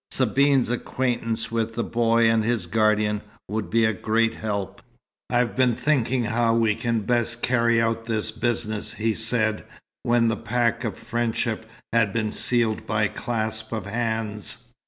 Sabine's acquaintance with the boy and his guardian would be a great help. "I've been thinking how we can best carry out this business," he said, when the pact of friendship had been sealed by clasp of hands.